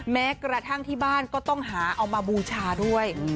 แม้กระทั่งที่บ้านก็ต้องหาเอามาบูชาด้วย